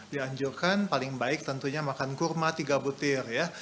dianjurkan paling baik tentunya makan kurma tiga butir ya